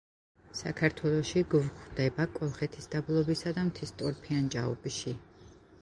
საქართველოში გვხვდება კოლხეთის დაბლობისა და მთის ტორფიან ჭაობში.